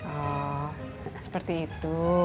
oh seperti itu